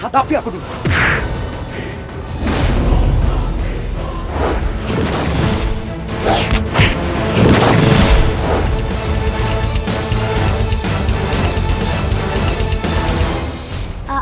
tapi aku dihantar